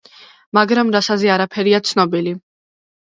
მაგრამ რასაზე არაფერია ცნობილი.